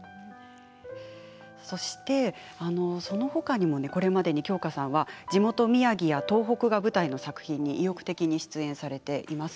そしてそのほかにもこれまでに京香さんは地元・宮城や東北が舞台の作品に意欲的に出演されています。